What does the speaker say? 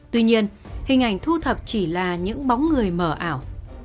tuy nhiên hình ảnh thu thập chỉ là những bóng người mở ảo